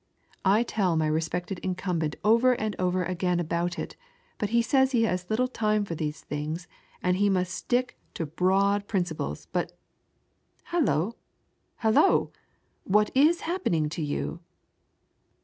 "I tell my respected incumbent over and over again about it, but he says he has Httle time for these things and he mnst stick to broad sAanu trsE. I principles, bat, — hallo — hallo — what is happening to yon.